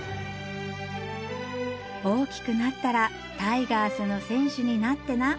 「大きくなったらタイガースの選手になってな」